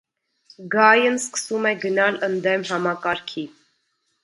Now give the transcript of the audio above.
Գայն սկսում է գնալ ընդդեմ համակարգի։